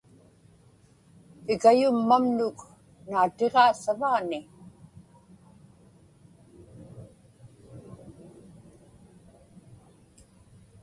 Ikayummamnuk naatiġaa savaani.